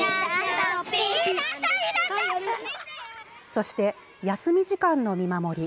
そして、休み時間の見守り。